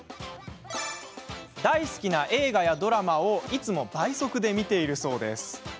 大好きな映画やドラマをいつも倍速で見ているそうです。